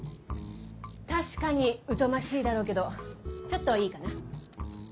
確かに疎ましいだろうけどちょっといいかな。